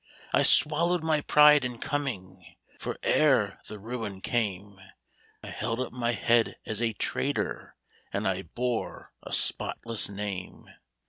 I swallowed my pride in coming. For, ere the ruin came, I held up my hea<l as a trader, And 1 bore a spotless name.